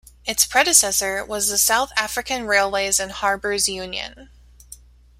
Its predecessor was the South African Railways and Harbours Union.